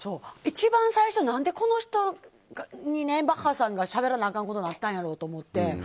一番最初何でこの人にバッハさんがしゃべらなあかんことがあったんやろと思って。